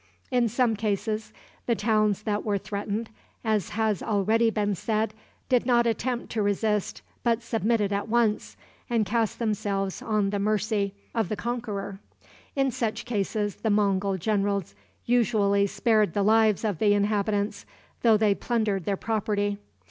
In some cases, the towns that were threatened, as has already been said, did not attempt to resist, but submitted at once, and cast themselves on the mercy of the conqueror. In such cases the Mongul generals usually spared the lives of the inhabitants, though they plundered their property.